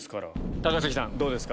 高杉さんどうですか？